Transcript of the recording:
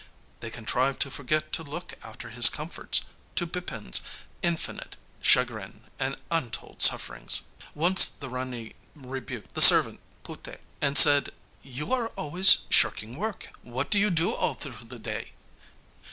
They contrived to forget to look after his comforts, to Bipin's infinite chagrin and untold sufferings. Once the Rani rebuked the servant Puté, and said: 'You are always shirking work; what do you do all through the day?'